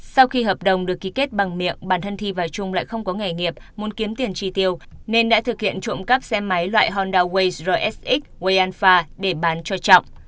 sau khi hợp đồng được ký kết bằng miệng bản thân thi và trung lại không có nghề nghiệp muốn kiếm tiền tri tiêu nên đã thực hiện trộm cắp xe máy loại honda way rsx wayanfa để bán cho trọng